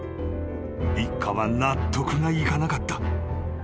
［一家は納得がいかなかった］